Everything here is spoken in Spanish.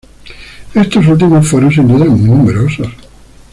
Estos últimos fueron, sin duda, muy numerosos.